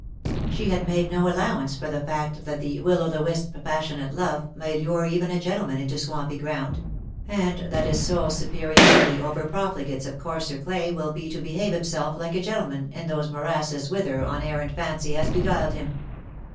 She had made no allowance for the fact that the will o' the wisp, passionate love, may lure even a gentleman into swampy ground; and that his sole superiority over profligates of coarser clay will be to behave himself like a gentleman in those morasses whither an errant fancy has beguiled him.